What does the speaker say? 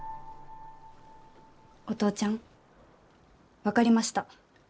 お父ちゃん分かりました。